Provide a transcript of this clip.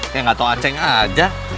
ya nggak tau aceh mak aja